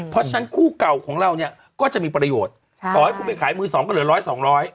เพราะฉะนั้นคู่เก่าของเราเนี่ยก็จะมีประโยชน์ใช่ต่อให้คุณไปขายมือสองก็เหลือร้อยสองร้อย